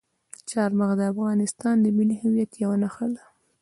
چار مغز د افغانستان د ملي هویت یوه نښه ده.